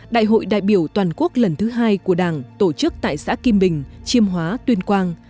đại hội đại biểu toàn quốc lần thứ hai của đảng tổ chức tại xã kim bình chiêm hóa tuyên quang